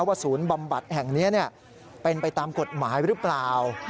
ศูนย์บำบัดแห่งนี้เป็นไปตามกฎหมายหรือเปล่า